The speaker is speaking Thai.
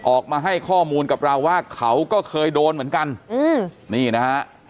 ออกมาให้ข้อมูลกับเราว่าเขาก็เคยโดนเหมือนกันอืมนี่นะฮะ